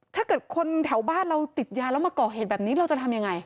ถ้าเกิดคนแถวบ้านเราติดยาแล้วมาก่อเหตุแบบนี้เราจะทำยังไง